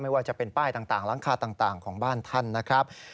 ว่าจะเป็นป้ายต่างหลังคาต่างของบ้านท่านนะครับ